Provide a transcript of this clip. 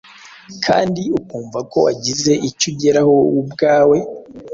kandi ukumva ko wagize icyo ugeraho wowe ubwawe,